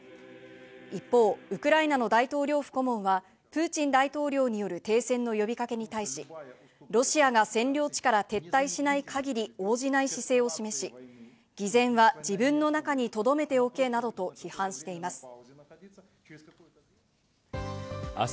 一方、ウクライナの大統領府顧問はプーチン大統領による停戦の呼びかけに対し、ロシアが占領地から撤退しない限り応じない姿勢を示し、偽善は自分の中に留めておけなどと批判しています。